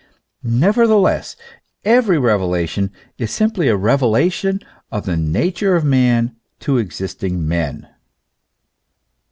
Nevertheless, every revelation is simply a revelation of the nature of man to existing men.